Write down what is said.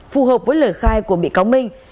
phù hợp với lời khai của bị cáo minh